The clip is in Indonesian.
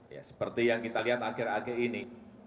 ya seperti yang kita lihat akhir akhir ini